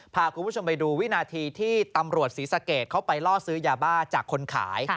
พาคุณผู้ชมไปดูวินาทีที่ตำรวจศรีสะเกดเขาไปล่อซื้อยาบ้าจากคนขาย